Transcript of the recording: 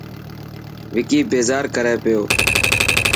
وڪي بيزار ڪري پيو.